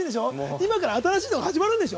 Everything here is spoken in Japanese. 今から、新しいの始まるんでしょ。